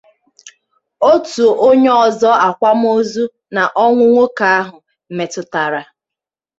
otu onye ọzọ akwamozu na ọnwụ nwoke ahụ metụtara